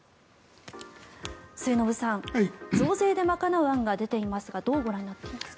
末延さん、増税で賄う案が出ていますがどうご覧になっていますか。